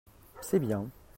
c'est bien.